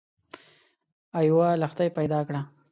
او یوه لښتۍ پیدا کړه